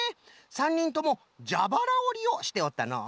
３にんともじゃばらおりをしておったのう。